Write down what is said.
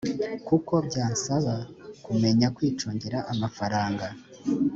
kuko byansaba kumenya kwicungira amafaranga